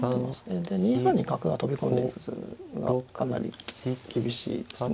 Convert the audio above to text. で２三に角が飛び込んでいく図がかなり厳しいですね。